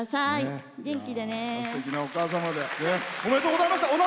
おめでとうございます。